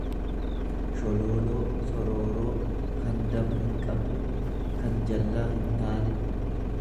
sholooloo sorooroo, kan daba hinqabne, kan jallaa hintaane.